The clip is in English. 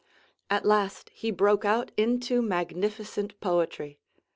At last he broke out into magnificent poetry.